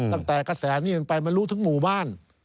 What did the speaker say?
ตั้งแต่กระแสนี้เป็นไปมีรู้ถึงหมู่บ้าน